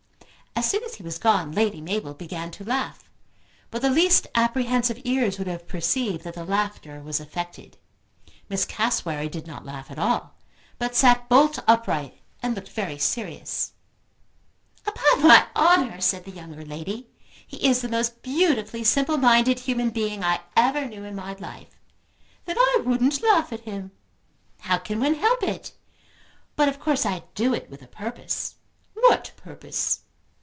As soon as he was gone Lady Mabel began to laugh, but the least apprehensive ears would have perceived that the laughter was affected. Miss Cassewary did not laugh at all, but sat bolt upright and looked very serious. "Upon my honour," said the younger lady, "he is the most beautifully simple minded human being I ever knew in my life." "Then I wouldn't laugh at him." "How can one help it? But of course I do it with a purpose." "What purpose?"